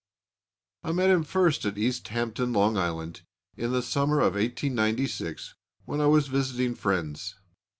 I met him first at East Hampton, Long Island, in the summer of 1896, when I was visiting friends.